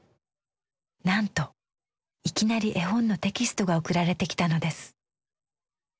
なんといきなり絵本のテキストが送られてきたのです。